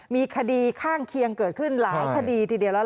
มีคดีข้างเคียงเกิดขึ้นหลายคดีทีเดียวแล้ว